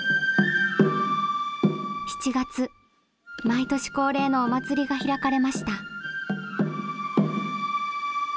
毎年恒例のお祭りが開かれました。